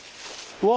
うわ！